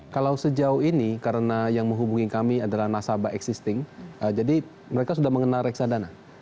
kalau sejauh ini karena yang menghubungi kami adalah nasabah existing jadi mereka sudah mengenal reksadana